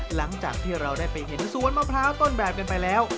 หลังจากที่เราได้ไปเห็นสวนมะพร้าวต้นแบบกันไปแล้ว